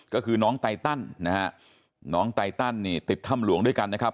ก็คือน้องไตตันติดถ้ำหลวงด้วยกันนะครับ